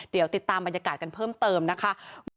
เดี๋ยวติดตามบรรยากาศกันเพิ่มเติมนะคะ